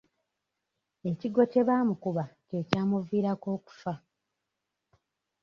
Ekigwo kye baamukuba kye kyamuviirako okufa.